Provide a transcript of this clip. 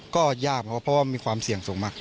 ก็ยากครับเพราะว่ามีความเสี่ยงสูงมาก